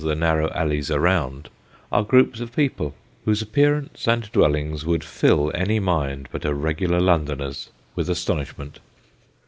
the narrow alleys around, are groups of people, whose appearance and dwellings would nil any mind but a regular Londoner's with astonishment.